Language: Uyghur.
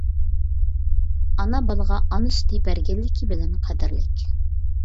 ئانا بالىغا ئانا سۈتى بەرگەنلىكى بىلەن قەدىرلىك.